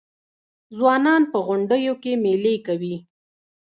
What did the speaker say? ځوانان په غونډیو کې میلې کوي.